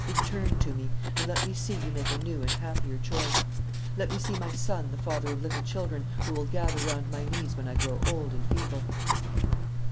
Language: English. Return to me; and let me see you make a new and happier choice. Let me see my son the father of little children who will gather round my knees when I grow old and feeble."